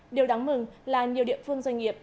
điều đáng mừng là nhiều địa phương doanh nghiệp